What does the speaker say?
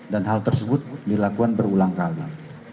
dan hal tersebut dilakukan berulang kali